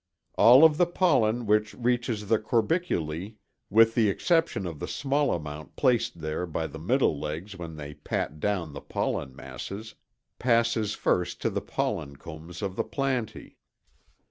All of the pollen which reaches the corbiculæ, with the exception of the small amount placed there by the middle legs when they pat down the pollen masses, passes first to the pollen combs of the plantæ.